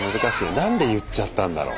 何で言っちゃったんだろう？